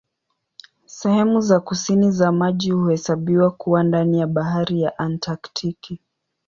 Sehemu za kusini za maji huhesabiwa kuwa ndani ya Bahari ya Antaktiki.